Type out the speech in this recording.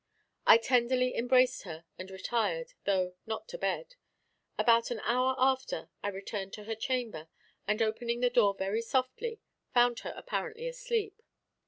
I tenderly embraced her, and retired, though not to bed. About an hour after, I returned to her chamber, and opening the door very softly, found her apparently asleep.